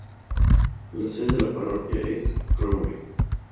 La sede de la parroquia es Crowley.